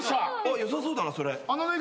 よさそうだなそれ。